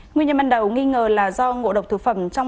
nguyên nhân ban đầu nghi ngờ là do ngộ độc thực phẩm trong